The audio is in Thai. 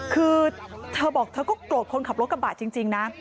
คือเธอบอกเธอก็โกรธคนขับรถกระบะจริงนะ